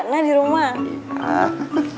nah di rumah